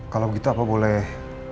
kalau gitu apa boleh